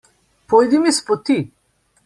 Pojdi mi s poti!